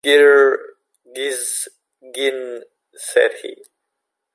girrrrrr gizzzzz ginnnnn said he.